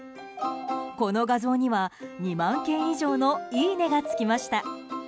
この画像には、２万件以上のいいねがつきました。